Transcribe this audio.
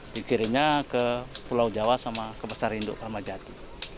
dikirimnya ke pulau jawa sama ke pasar induk ramadjati